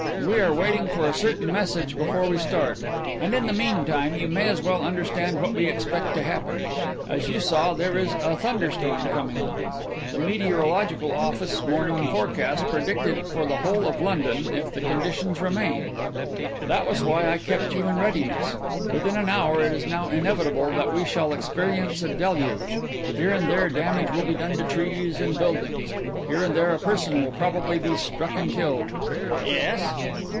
"We are waiting for a certain message before we start, and in the meantime you may as well understand what we expect to happen. As you saw, there is a thunderstorm coming on. The Meteorological Office morning forecast predicted it for the whole of London if the conditions remained. That was why I kept you in readiness. Within an hour it is now inevitable that we shall experience a deluge. Here and there damage will be done to trees and buildings; here and there a person will probably be struck and killed." "Yes."